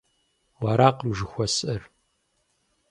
Уэракъым жыхуэсӏэр.